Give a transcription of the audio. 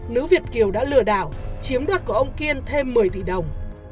nữ việt kiều đã lừa đảo chiếm đoạt của ông kiên thêm một mươi tỷ đồng